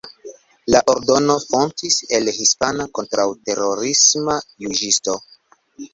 La ordono fontis el hispana kontraŭterorisma juĝisto.